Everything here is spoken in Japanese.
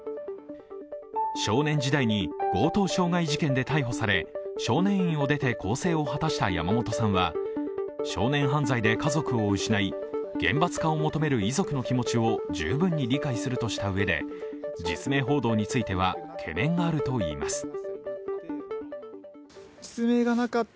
少年時代に強盗傷害事件で逮捕され少年院を出て更生を果たした山本さんは少年犯罪で家族を失い、厳罰化を求める遺族の気持ちを十分に理解するとしたうえで実名報道については懸念があるといいます。